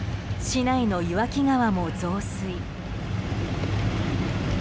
市内の岩木川も増水。